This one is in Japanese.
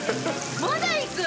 まだ行く？